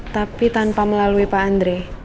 tapi tanpa melalui pak andre